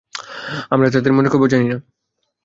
আমরা তাদের মনের খবর জানি না।